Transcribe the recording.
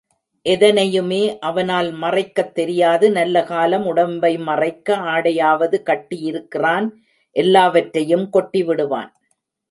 எதனையுமே அவனால் மறைக்கத் தெரியாது நல்ல காலம் உடம்பை மறைக்க ஆடையாவது கட்டி இருக்கிறான் எல்லாவற்றையும் கொட்டிவிடுவான்.